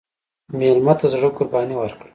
مېلمه ته د زړه قرباني ورکړه.